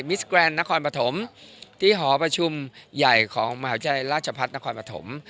สแกรนดนครปฐมที่หอประชุมใหญ่ของมหาวิทยาลัยราชพัฒนครปฐม